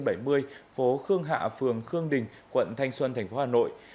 phố khương hạ phường khương đình quận thanh xuân tp hà nội